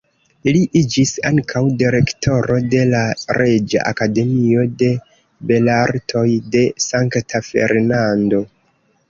Li iĝis ankaŭ direktoro de la Reĝa Akademio de Belartoj de Sankta Fernando.